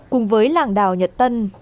cùng với làng đào nhật tân